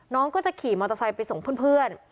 น้องก็จะขี่มอเตอร์ไซค์ไปส่งเพื่อน